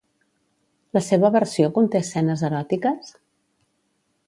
La seva versió conté escenes eròtiques?